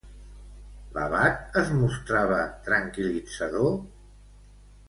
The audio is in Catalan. L'abat es mostrava tranquil·litzador?